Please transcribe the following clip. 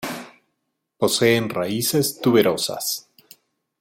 Poseen raíces tuberosas.